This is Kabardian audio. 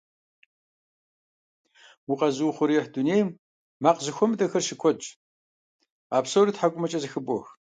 Укъэзыухъуреихь дунейм макъ зэхуэмыдэхэр щыкуэдщ. А псори тхьэкӀумэкӀэ зэхыбох.